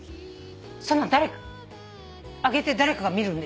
そんなん上げて誰かが見るんでしょ？